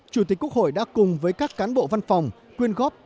chủ tịch quốc hội đã cùng với các cán bộ văn phòng quyên góp